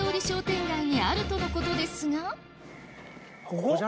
商店街にあるとのことですがここ？